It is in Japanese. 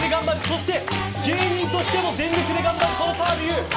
そして芸人としても全力で頑張る澤部佑。